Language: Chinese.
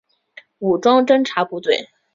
武装侦察部队。